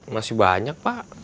masih banyak pak